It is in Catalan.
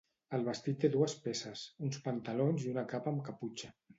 El vestit té dues peces: uns pantalons i una capa amb caputxa.